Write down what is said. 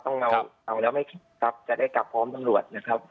ต้องเมาเอาแล้วไม่ขับจะได้กลับพร้อมตำรวจนะครับ